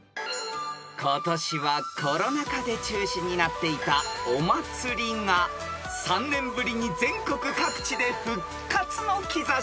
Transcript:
［今年はコロナ禍で中止になっていたお祭りが３年ぶりに全国各地で復活の兆し］